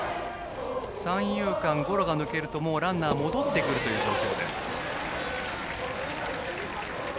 三遊間ゴロが抜けるとランナー戻ってくるという状況。